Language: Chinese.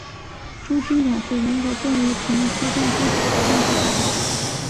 输精管是人和动物体内输送精子的生殖管道。